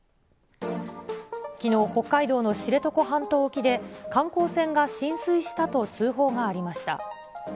きのう、北海道の知床半島沖で観光船が浸水したと通報がありました。